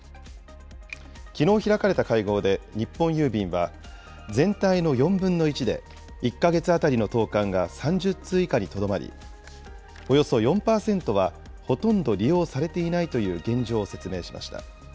きのう開かれた会合で日本郵便は、全体の４分の１で１か月当たりの投かんが３０通以下にとどまり、およそ４％は、ほとんど利用されていないという現状を説明しました。